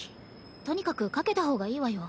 とにかく掛けた方がいいわよ。